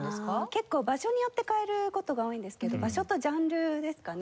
結構場所によって変える事が多いんですけど場所とジャンルですかね。